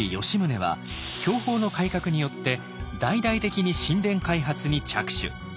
吉宗は享保の改革によって大々的に新田開発に着手。